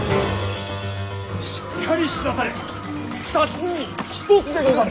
しっかりしなされ二つに一つでござる。